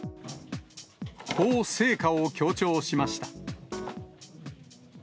こう成果を強調しました。